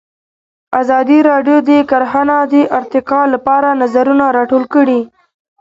ازادي راډیو د کرهنه د ارتقا لپاره نظرونه راټول کړي.